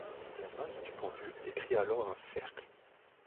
La masse du pendule décrit alors un cercle.